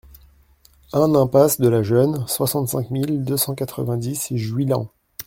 un impasse de la Geune, soixante-cinq mille deux cent quatre-vingt-dix Juillan